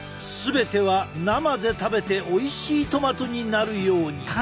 全ては生で食べておいしいトマトになるように。